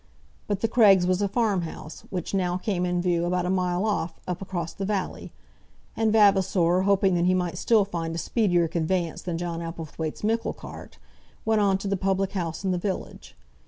But the Craigs was a farm house, which now came in view about a mile off, up across the valley; and Vavasor, hoping that he might still find a speedier conveyance than John Applethwaite's mickle cart, went on to the public house in the village.